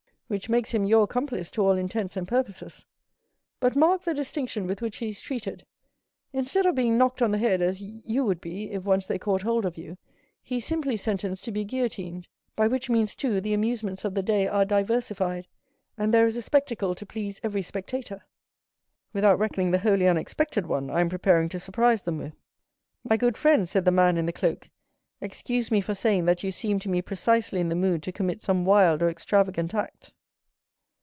"Which makes him your accomplice to all intents and purposes. But mark the distinction with which he is treated; instead of being knocked on the head as you would be if once they caught hold of you, he is simply sentenced to be guillotined, by which means, too, the amusements of the day are diversified, and there is a spectacle to please every spectator." "Without reckoning the wholly unexpected one I am preparing to surprise them with." "My good friend," said the man in the cloak, "excuse me for saying that you seem to me precisely in the mood to commit some wild or extravagant act."